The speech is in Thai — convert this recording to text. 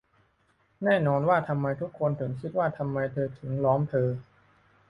แน่นอนว่าทำไมทุกคนถึงคิดว่าทำไมเธอถึงล้อมเธอ